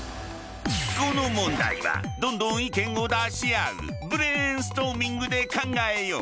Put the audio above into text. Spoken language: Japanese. この問題はどんどん意見を出し合うブレインストーミングで考えよう。